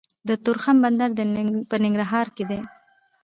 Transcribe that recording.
د تورخم بندر په ننګرهار کې دی